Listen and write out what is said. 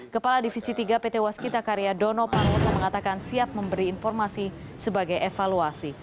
kepala divisi tiga pt waskita karya dono panguta mengatakan siap memberi informasi sebagai evaluasi